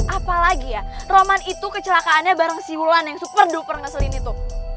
apalagi ya roman itu kecelakaannya bareng si wulan yang super duper ngeselin itu